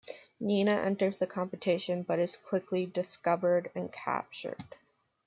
Nina enters the competition, but is quickly discovered and captured.